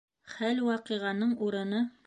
Хәл-ваҡиғаның урыны